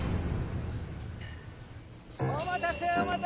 お待たせお待たせ！